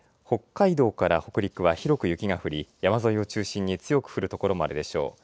北海道から北陸は広く雪が降り、山沿いを中心に強く降るところもあるでしょう。